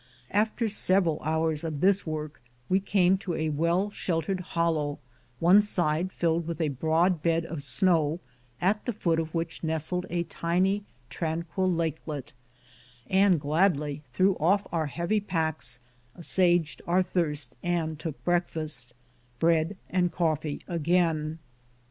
After several hours of this work we came to a well sheltered hollow, one side filled with a broad bed of snow, at the foot of which nestled a tiny, tranquil lakelet, and gladly threw off our heavy packs, assuaged our thirst, and took breakfast, — bread and coffee no FIRST SUCCESSFUL ASCENT, 1870 again.